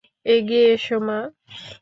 এদিকে এসো, মা।